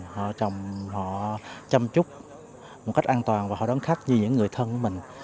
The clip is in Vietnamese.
họ chăm chúc một cách an toàn và họ đón khách như những người thân của mình